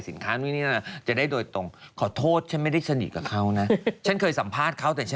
พูดคำหนึ่งนะคนในวงการนี้นะขอโทษทีเถอะ